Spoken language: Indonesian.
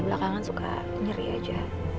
belakangan suka nyeri aja